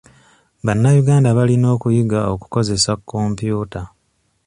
Bannayuganda balina okuyiga okukozesa kompyuta.